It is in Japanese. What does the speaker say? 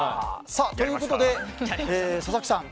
ということで、佐々木さん